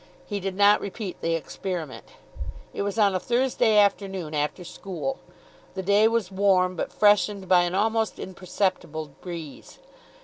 He did not repeat the experiment. It was on a Thursday afternoon, after school. The day was warm, but freshened by an almost imperceptible breeze.